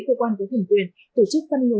cơ quan quốc hành quyền tổ chức phân nguồn